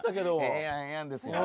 「ええやんええやん」ですよ。